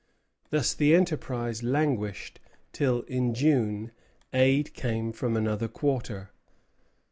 Thus the enterprise languished till, in June, aid came from another quarter.